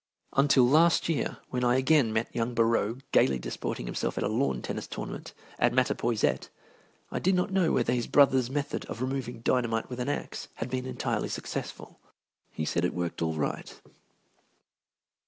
Until last year, when I again met young Borrowe gayly disporting himself at a lawn tennis tournament at Mattapoisett, I did not know whether his brother's method of removing dynamite with an axe had been entirely successful. He said it worked all right.